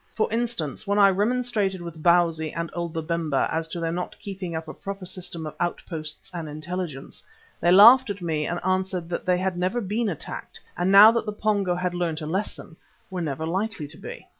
For instance, when I remonstrated with Bausi and old Babemba as to their not keeping up a proper system of outposts and intelligence, they laughed at me and answered that they never had been attacked and now that the Pongo had learnt a lesson, were never likely to be.